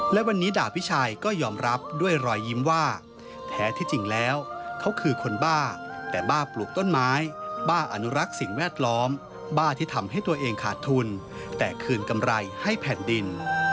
และวันนี้ดาบพิชัยก็ยอมรับด้วยรอยยิ้มว่าแท้ที่จริงแล้วเขาคือคนบ้าแต่บ้าปลูกต้นไม้บ้าอนุรักษ์สิ่งแวดล้อมบ้าที่ทำให้ตัวเองขาดทุนแต่คืนกำไรให้แผ่นดิน